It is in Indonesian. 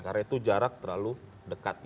karena itu jarak terlalu dekat